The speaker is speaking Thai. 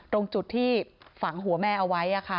ตรงจุดที่ฝังหัวแม่เอาไว้